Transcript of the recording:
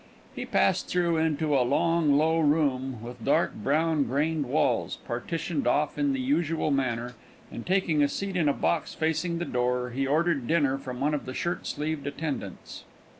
He passed through into a long, low room, with dark brown grained walls, partitioned off in the usual manner; and taking a seat in a box facing the door, he ordered dinner from one of the shirtsleeved attendants.